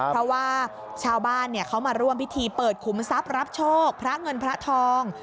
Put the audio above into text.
เพราะว่าชาวบ้านเขามาร่วมพิธีเปิดขุมทรัพย์รับโชคพระเงินพระทอง